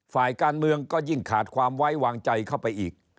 ฝ่ายการเมืองก็ยิ่งขาดความไว้วางใจเข้าไปอีก